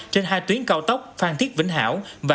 trên hai tuyến cao tốc phan thiết vĩnh hảo